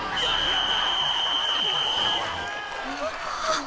ああ！